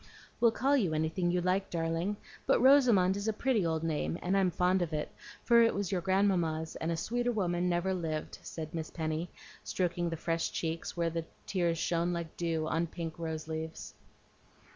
"We'll call you anything you like, darling; but Rosamond is a pretty old name, and I'm fond of it, for it was your grandmamma's, and a sweeter woman never lived," said Miss Penny, stroking the fresh cheeks, where the tears shone like dew on pink rose leaves.